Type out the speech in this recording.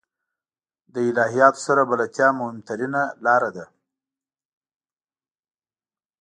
له الهیاتو سره بلدتیا مهمترینه لاره ده.